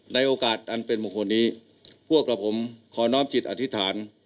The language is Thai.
ในโอกาสอันเป็นมงคลนี้พวกกับผมขอน้อมจิตอธิษฐาน